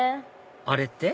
あれって？